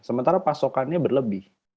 sementara pasokannya berlebih